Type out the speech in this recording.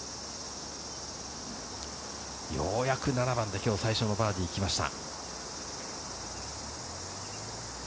ようやく７番で今日最初のバーディーが来ました。